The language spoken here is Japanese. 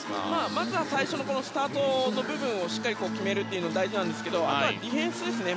まずは最初のスタートの部分をしっかり決めるということが大事なんですがディフェンスですね。